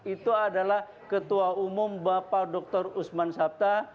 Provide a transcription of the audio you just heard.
itu adalah ketua umum bapak dr usman sabta